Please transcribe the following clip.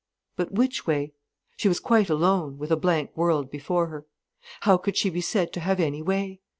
But which way? She was quite alone, with a blank world before her. How could she be said to have any way?